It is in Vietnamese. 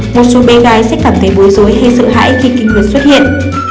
một số bê gai sẽ cảm thấy bối rối hay sợ hãi khi kinh khuất xuất hiện